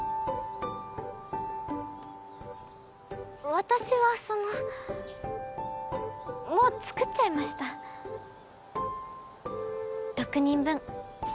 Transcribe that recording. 私はそのもう作っちゃいました６人分。